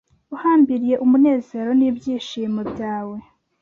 Uhambiriye umunezero nibyishimo byawe